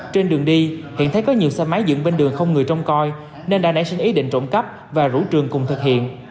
trên đường đi hiện thấy có nhiều xe máy dựng bên đường không người trông coi nên đã nảy sinh ý định trộm cắp và rủ trường cùng thực hiện